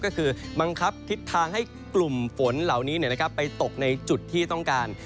ก็คือบังคับทิศทางให้กลุ่มฝนเหล่านี้ไปตกในจุดที่ต้องการ